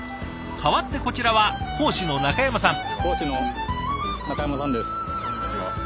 変わってこちらは講師の中山さん。